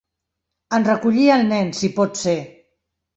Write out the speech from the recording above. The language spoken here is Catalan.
En recollir el nen, si pot ser.